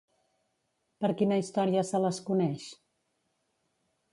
Per quina història se les coneix?